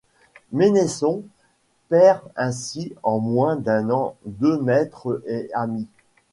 Mennessons perd ainsi en moins d’un an deux maîtres et amis.